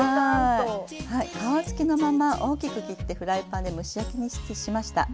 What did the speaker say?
皮付きのまま大きく切ってフライパンで蒸し焼きにしました。